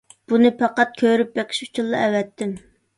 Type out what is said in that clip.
بۇنى پەقەت كۆرۈپ بېقىش ئۈچۈنلا ئەۋەتتىم.